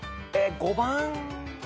５番。